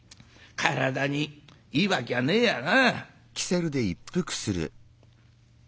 体にいいわきゃねえやな」。